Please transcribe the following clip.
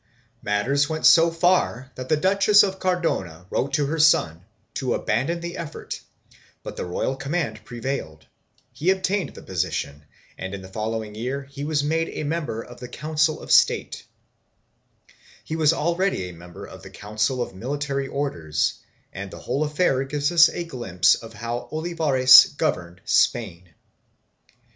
Matters went so far that the Duchess of Cardona wrote to her son to abandon the effort but the royal command prevailed; he obtained the position and in the following year he was made a member of the Council of State; he was already a member of the Council of Military Orders and the whole affair gives us a glimpse of how Olivares governed Spain.